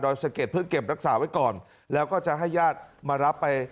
สะเก็ดเพื่อเก็บรักษาไว้ก่อนแล้วก็จะให้ญาติมารับไป